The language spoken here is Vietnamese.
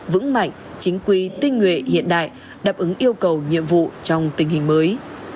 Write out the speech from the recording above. vững mạnh chính quy tinh nguyện hiện đại đáp ứng yêu cầu nhiệm vụ trong tình hình mới